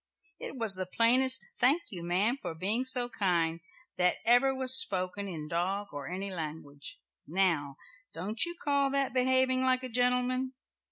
It was the plainest 'thank you ma'am for being so kind,' that ever was spoken in dog or any language. Now don't you call that behaving like a gentleman?"